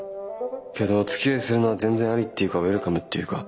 けどおつきあいするのは全然ありっていうかウエルカムっていうか。